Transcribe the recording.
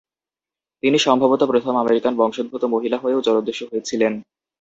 তিনি সম্ভবত প্রথম আমেরিকান বংশোদ্ভূত মহিলা হয়েও জলদস্যু হয়েছিলেন।